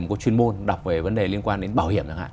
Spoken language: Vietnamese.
có chuyên môn đọc về vấn đề liên quan đến bảo hiểm